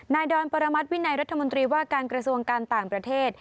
ดอนปรมัติวินัยรัฐมนตรีว่าการกระทรวงการต่างประเทศ